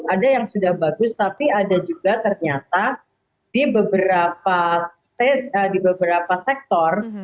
ada yang sudah bagus tapi ada juga ternyata di beberapa sektor